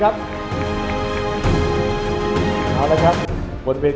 ๓๓๐ครับนางสาวปริชาธิบุญยืน